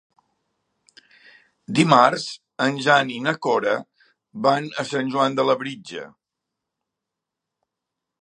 Dimarts en Jan i na Cora van a Sant Joan de Labritja.